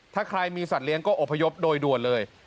ถ้าใครมีสัตว์เลี้ยก็อพยพโดยด่วนเลย